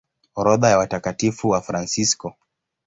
Orodha ya Watakatifu Wafransisko